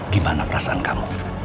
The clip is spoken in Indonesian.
gimana perasaan kamu